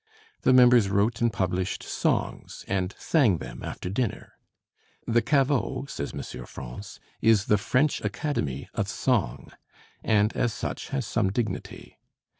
The members wrote and published songs and sang them after dinner. "The Caveau," says M. France, "is the French Academy of song," and as such has some dignity.